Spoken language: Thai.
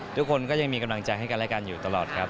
ทุกคนก็ยังมีกำลังใจให้กันและกันอยู่ตลอดครับ